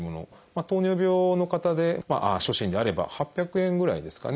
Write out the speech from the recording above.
糖尿病の方で初診であれば８００円ぐらいですかね